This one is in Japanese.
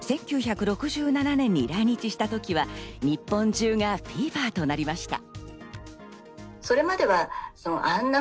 １９６７年に来日した時は、日本中がフィーバーとなりました。